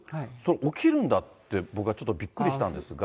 起きるんだって、僕はちょっとびっくりしたんですが。